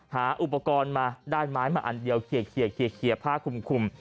หาอุปกรณ์มาด้านไม้มาอันเดียวเขียบเขียบเขียบเขียบเขียบผ้าคุ่มคุ่ม